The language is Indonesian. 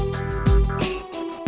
avendya pasti dit gentern itu